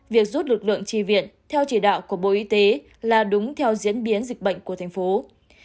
việc rút lực lượng tri viện theo chỉ đạo của bộ y tế là đúng theo diễn biến dịch bệnh của thành phố